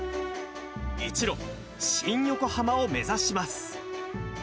一路、新横浜を目指します。